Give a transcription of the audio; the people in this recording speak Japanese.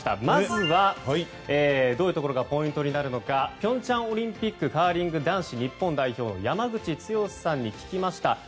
まずは、どういうところがポイントになるのか平昌オリンピックカーリング男子日本代表山口剛史さんに聞きました。